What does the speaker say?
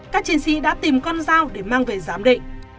các chiến sĩ đã tìm con dao để mang về giám định